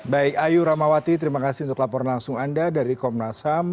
baik ayu rahmawati terima kasih untuk laporan langsung anda dari komnas ham